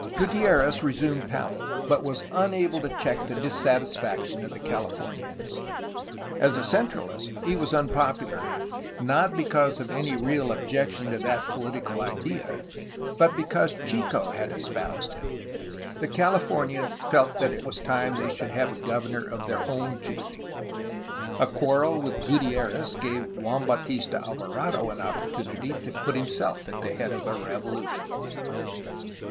Gutierrez resumed power, but was unable to check the dissatisfaction of the Calif ornians. As a centralist he was unpopular, not because of any real objection to that political ideal, but because Chico had espoused it. The Californians felt that it was time they should have a governor of their own choosing. A quarrel with Gutitoez gave Juan Bautista Alvarado an oppor tunity to put himself at the head of a revolution.